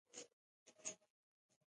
کمې خبرې، ډېر فکر کوي.